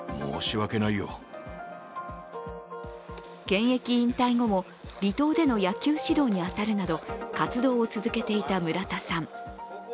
現役引退後も離島での野球指導に当たるなど活動を続けていた村田さん。